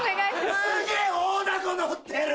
すげぇ大だこ乗ってる！